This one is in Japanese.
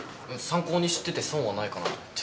参考に知ってて損はないかなと思って。